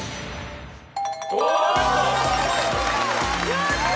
やった！